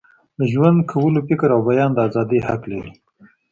د ژوند کولو، فکر او بیان د ازادۍ حق لري.